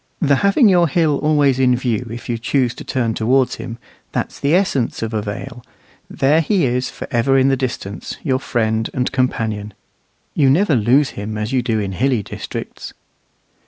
The having your hill always in view if you choose to turn towards him that's the essence of a vale. There he is for ever in the distance, your friend and companion. You never lose him as you do in hilly districts.